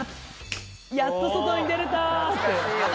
「やっと外に出れた！」って。